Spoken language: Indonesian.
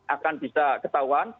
akan bisa ketahuan